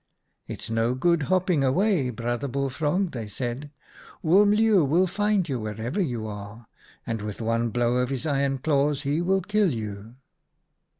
"' It's no good hopping away, Brother Bullfrog,' they said. * Oom Leeuw will find you wherever you are, and with one blow of his iron claws he will kill you.'